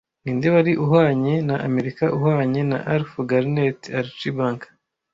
Ninde wari uhwanye na Amerika uhwanye na Alf Garnet Archie Bunker